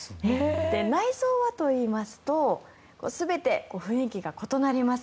内装はといいますと全て雰囲気が異なります。